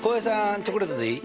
チョコレートでいい？